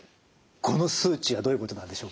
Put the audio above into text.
この数値はどういうことなんでしょうか？